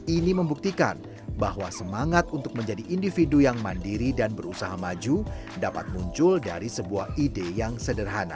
ini membuktikan bahwa semangat untuk menjadi individu yang mandiri dan berusaha maju dapat muncul dari sebuah ide yang sederhana